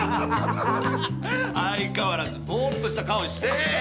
相変わらずボーっとした顔して。